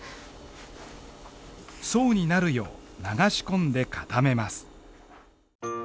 層になるよう流し込んで固めます。